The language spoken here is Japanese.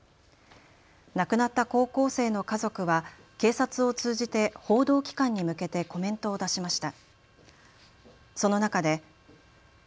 亡くなった高校生の家族は警察を通じて報道機関に向けてコメントを出しました。